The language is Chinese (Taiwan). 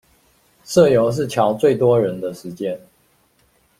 社遊是喬最多人的時間